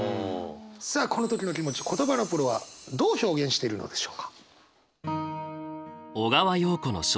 さあこの時の気持ち言葉のプロはどう表現しているのでしょうか？